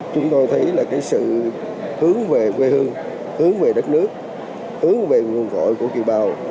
chúng tôi thấy là cái sự hướng về quê hương hướng về đất nước hướng về nguồn cội của kiều bào